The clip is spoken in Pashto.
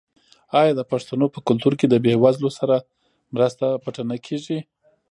آیا د پښتنو په کلتور کې د بې وزلو سره مرسته پټه نه کیږي؟